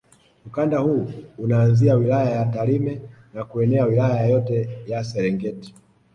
Ukanda huu unaanzia wilaya ya Tarime na kuenea Wilaya yote ya Serengeti